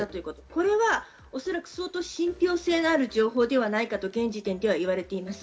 これは相当、信憑性がある情報ではないかと現時点では言われています。